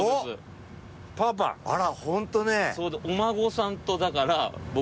あらホントね。